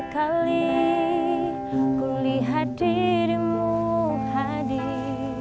kali kulihat dirimu hadir